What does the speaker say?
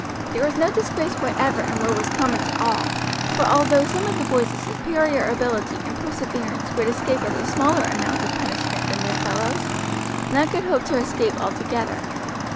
There was no disgrace whatever in what was common to all, for although some of the boys of superior ability and perseverance would escape with a smaller amount of punishment than their fellows, none could hope to escape altogether.